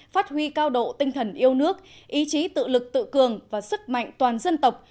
phát huy cao độ tinh thần yêu nước ý chí tự lực tự cường và sức mạnh toàn dân tộc